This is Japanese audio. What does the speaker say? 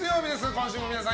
今週も皆さん